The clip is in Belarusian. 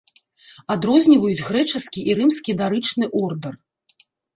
Адрозніваюць грэчаскі і рымскі дарычны ордар.